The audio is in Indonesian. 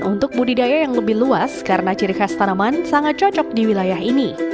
untuk budidaya yang lebih luas karena ciri khas tanaman sangat cocok di wilayah ini